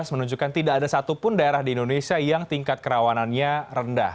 menunjukkan tidak ada satupun daerah di indonesia yang tingkat kerawanannya rendah